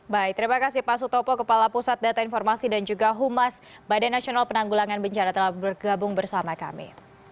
baik terima kasih pak sutopo kepala pusat data informasi dan juga humas badan nasional penanggulangan bencana telah bergabung bersama kami